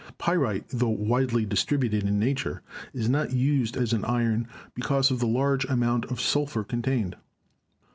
Pyrite, tho widely distributed in nature, is not used as an iron because of the large amount of sulphur contained.